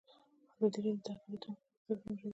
ازادي راډیو د اقلیتونه پرمختګ سنجولی.